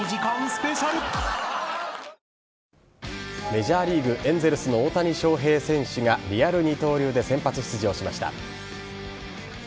メジャーリーグエンゼルスの大谷翔平選手がリアル二刀流で先発出場しました。